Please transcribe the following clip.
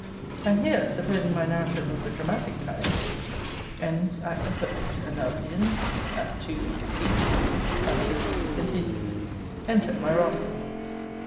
And here, supposing my narrative of the dramatic kind, ends Act the first. And now begins ACT II SCENE. Hampstead Heath continued. ENTER MY RASCAL.